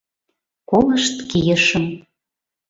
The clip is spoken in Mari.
Колышт кийышым.